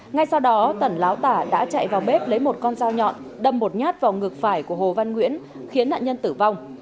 ngay sau đó tẩn láo tả đã chạy vào bếp lấy một con dao nhọn đâm một nhát vào ngực phải của hồ văn nguyễn khiến nạn nhân tử vong